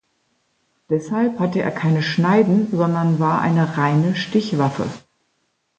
Deshalb hatte er keine Schneiden, sondern war eine reine Stichwaffe.